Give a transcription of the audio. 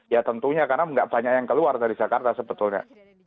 ya tentunya karena nggak banyak yang keluar dari jakarta sebetulnya